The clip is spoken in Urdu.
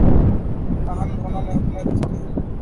تاہم دونوں نے اپنے رشتے